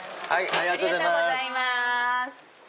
ありがとうございます。